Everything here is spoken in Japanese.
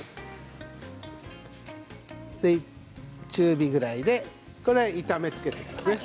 中火ぐらいでこれは炒めつけてくださいね。